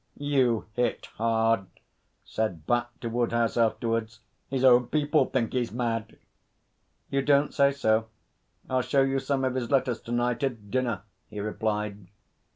'You hit hard,' said Bat to Woodhouse afterwards. 'His own people think he's mad.' 'You don't say so? I'll show you some of his letters to night at dinner,' he replied.